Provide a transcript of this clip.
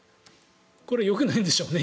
これ、よくないんでしょうね